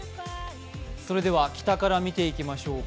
それでは北から見ていきましょうか。